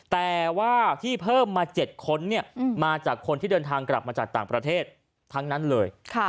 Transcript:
แต่ว่าที่เพิ่มมา๗คนมาจากคนที่เดินทางกลับมาจากต่างประเทศทั้งนั้นเลย